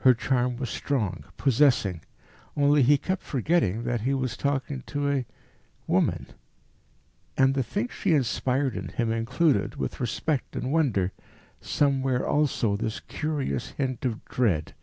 Her charm was strong, possessing; only he kept forgetting that he was talking to a woman; and the thing she inspired in him included, with respect and wonder, somewhere also this curious hint of dread.